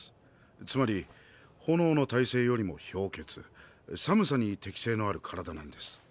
つまり炎の耐性よりも氷結寒さに適性のある身体なんです。